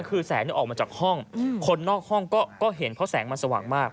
คือแสงออกมาจากห้องคนนอกห้องก็เห็นเพราะแสงมันสว่างมาก